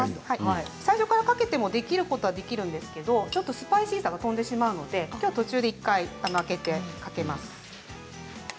最初からかけてもできることはできるんですがスパイシーさが飛んでしまうのできょうは途中でかけます。